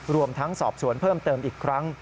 รวมทั้งสอบสวนเพิ่มเติมอีกครั้ง